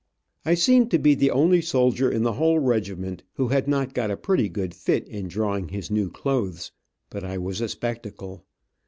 I seemed to be the only soldier in the whole regiment who had not got a pretty good fit in drawing his new clothes, but I was a spectacle.